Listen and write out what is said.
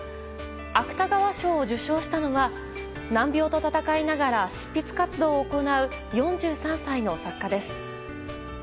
芥川賞を受賞したのは難病と闘いながら執筆活動を行う４３歳の作家です。